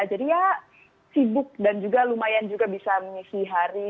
jadi ya sibuk dan juga lumayan juga bisa mengisi hari